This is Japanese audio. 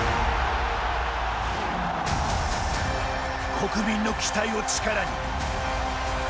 国民の期待を力に。